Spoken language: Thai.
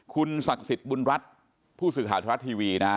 คุณศักดิ์สิทธิ์บุญรัฐผู้สื่อข่าวธนรัฐทีวีนะฮะ